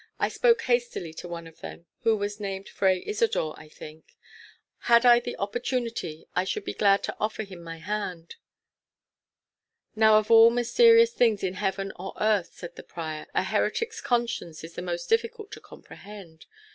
I spoke hastily to one of them, who was named Fray Isodor, I think. Had I the opportunity, I should be glad to offer him my hand." "Now, of all mysterious things in heaven or earth," said the prior, "a heretic's conscience is the most difficult to comprehend.